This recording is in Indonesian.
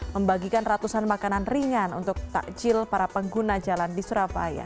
membagikan ratusan makanan ringan untuk takjil para pengguna jalan di surabaya